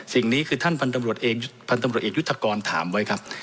สิ่งนี้คือท่านพันธุ์ตำรวจเอกยุทธกรถามไว้ครับ